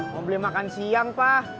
mau beli makan siang pak